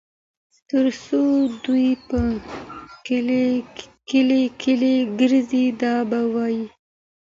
تر څو دوى په کلي کلي ګرځي دا به وايي